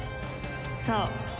そう。